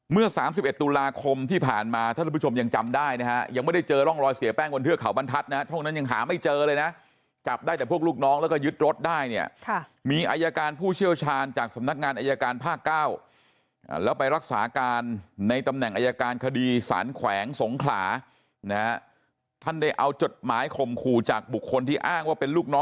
เมื่อ๓๑ตุลาคมที่ผ่านมาท่านผู้ชมยังจำได้นะฮะยังไม่ได้เจอร่องรอยเสียแป้งบนเทือกเขาบรรทัศน์นะฮะช่วงนั้นยังหาไม่เจอเลยนะจับได้แต่พวกลูกน้องแล้วก็ยึดรถได้เนี่ยมีอายการผู้เชี่ยวชาญจากสำนักงานอายการภาค๙แล้วไปรักษาการในตำแหน่งอายการคดีสารแขวงสงขลานะฮะท่านได้เอาจดหมายข่มขู่จากบุคคลที่อ้างว่าเป็นลูกน